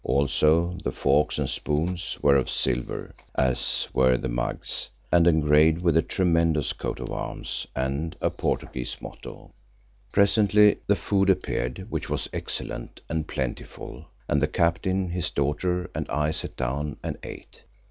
Also the forks and spoons were of silver, as were the mugs, and engraved with a tremendous coat of arms and a Portuguese motto. Presently the food appeared, which was excellent and plentiful, and the Captain, his daughter and I sat down and ate.